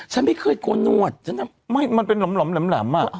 ฉันไม่เคยโกนหนวดมันเป็นหล่ำแหลมอะ